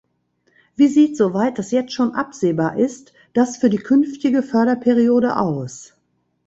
Wie sieht, soweit das jetzt schon absehbar ist, das für die künftige Förderperiode aus?